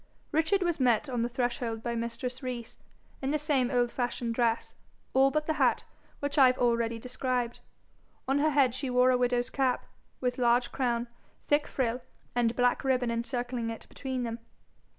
Richard was met on the threshold by mistress Rees, in the same old fashioned dress, all but the hat, which I have already described. On her head she wore a widow's cap, with large crown, thick frill, and black ribbon encircling it between them.